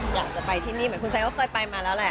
อยากจะไปที่นี่เหมือนคุณแซนก็เคยไปมาแล้วแหละ